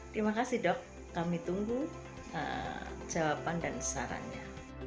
terima kasih dok kami tunggu jawaban dan sarannya